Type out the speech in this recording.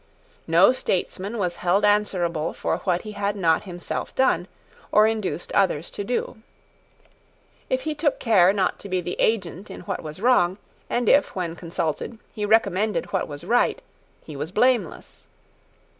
No statesman was held answerable for what he had not himself done, or induced others to do. If he took care not to be the agent in what was wrong, and if, when consulted, he recommended what was right, he was blameless.